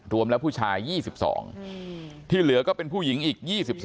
รวมแล้วผู้ชาย๒๒ที่เหลือก็เป็นผู้หญิงอีก๒๒